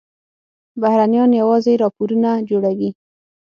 بهرنیان یوازې راپورونه جوړوي.